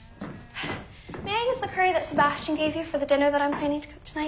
はい。